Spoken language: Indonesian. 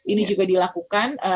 ini juga dilakukan